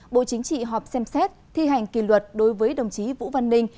bộ chính trị họp xem xét thi hành kỷ luật đối với đồng chí vũ văn ninh